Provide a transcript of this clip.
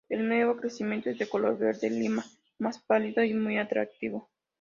El nuevo crecimiento es de color verde lima más pálido y muy atractivo.